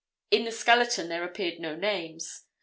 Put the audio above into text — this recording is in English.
In the skeleton there appeared no names.